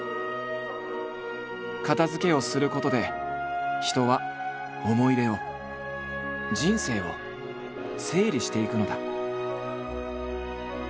片づけをすることで人は思い出を人生を整理していくのだ。